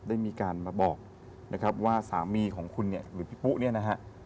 ได้มีการมาบอกนะครับว่าสามีของคุณเนี่ยหรือพี่ปุ๊เนี่ยนะฮะ